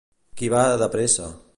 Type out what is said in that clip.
Qui va de pressa?